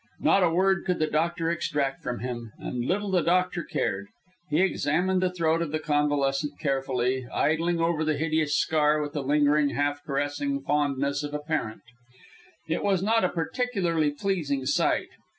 Not a word could the Doctor extract from him, and little the Doctor cared. He examined the throat of the convalescent carefully, idling over the hideous scar with the lingering, half caressing fondness of a parent. It was not a particularly pleasing sight.